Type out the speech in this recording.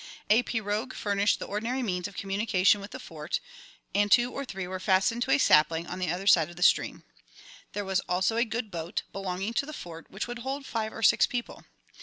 A pirogue furnished the ordinary means of communication with the Fort, and two or three were fastened to a sapling on the other side of the stream. There was also a good boat, belonging to the Fort, which would hold five or six people.